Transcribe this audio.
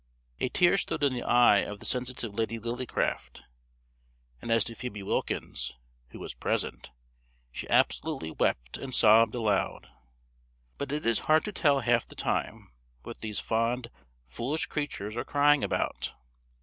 A tear stood in the eye of the sensitive Lady Lillycraft; and as to Phoebe Wilkins, who was present, she absolutely wept and sobbed aloud; but it is hard to tell half the time what these fond, foolish creatures are crying about.